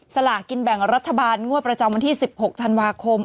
สลากินแบ่งรัฐบาลงวดประจำวันที่๑๖ธันวาคม